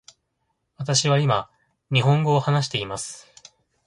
私は今日本語を話しています。